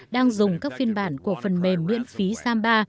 đang dùng các phiên bản của phần mềm nguyện phí sam ba